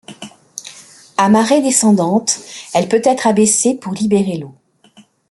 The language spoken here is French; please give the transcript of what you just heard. À marée descendante, elle peut être abaissée pour libérer l'eau.